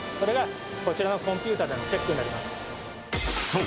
［そう。